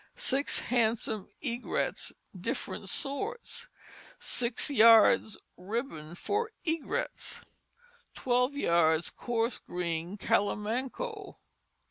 6 Handsome Egrettes Different Sorts. 6 Yards Ribbon for Egrettes. 12 Yards Coarse Green Callimanco."